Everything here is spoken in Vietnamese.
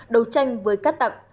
đấu tranh với cát tặng